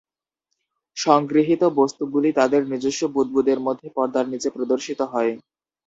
সংগৃহীত বস্তুগুলি তাদের নিজস্ব বুদবুদের মধ্যে পর্দার নীচে প্রদর্শিত হয়।